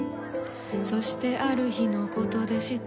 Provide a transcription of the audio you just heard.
そしてある日のことでした。